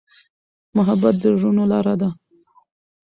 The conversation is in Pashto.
محبت د زړونو لاره ده.